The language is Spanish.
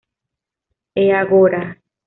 E Agora?".